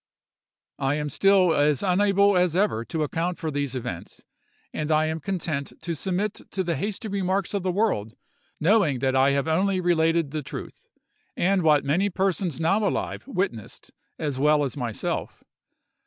"'I am still as unable as ever to account for those events, and I am content to submit to the hasty remarks of the world, knowing that I have only related the truth, and what many persons now alive witnessed as well as myself.